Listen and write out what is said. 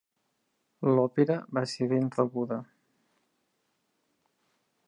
L'òpera va ser ben rebuda.